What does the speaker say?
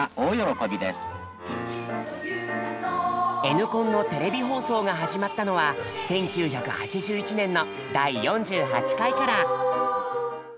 「Ｎコン」のテレビ放送が始まったのは１９８１年の第４８回から。